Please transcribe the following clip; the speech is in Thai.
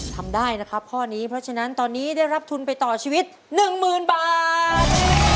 ทำได้นะครับข้อนี้เพราะฉะนั้นตอนนี้ได้รับทุนไปต่อชีวิต๑๐๐๐บาท